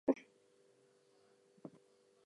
Her partner grasps her amorously.